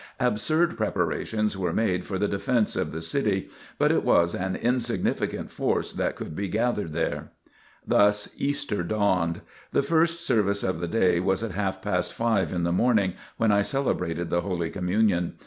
Absurd preparations were made for the defence of the city, but it was an insignificant force that could be gathered there. Thus Easter dawned. The first service of the day was at half past five in the morning when I celebrated the Holy Communion.